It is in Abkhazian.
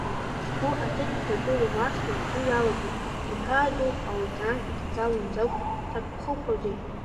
Сгәы аҭыԥ иҭагылом, аҵх лашә ду иалаӡом, иҳәаадоу аокеан ихӡалом, закә ҭакԥхықәроузеи!